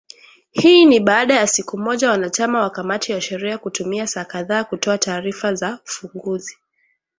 Hii ni baada ya siku moja wanachama wa kamati ya sheria kutumia saa kadhaa kutoa taarifa za ufunguzi